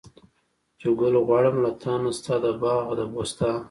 چې ګل غواړم له تانه، ستا د باغه د بوستانه